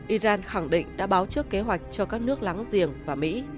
iran khẳng định đã báo trước kế hoạch cho các nước láng giềng và mỹ